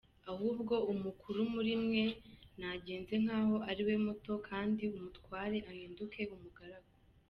Ahubwo umukuru muri mwe nagenze nk’aho ari we muto, kandi umutware ahinduke umugaragu ».